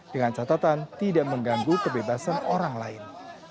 dengan catatan tidak mengganggu kebebasan orang lain